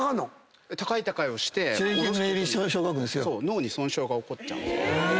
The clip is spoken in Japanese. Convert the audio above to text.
脳に損傷が起こっちゃうんで。